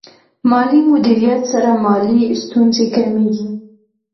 مالي مدیریت سره مالي ستونزې کمېږي.